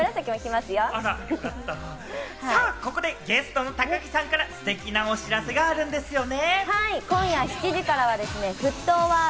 ここでゲストの高城さんからステキなお知らせがあるんですよね。